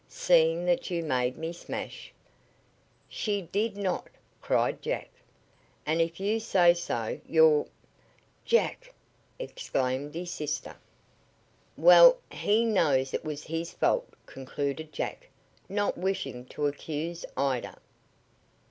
"Seeing that you made me smash " "She did not!" cried Jack. "And if you say so you're " "Jack!" exclaimed his sister. "Well, he knows it was his own fault," concluded Jack, not wishing to accuse Ida.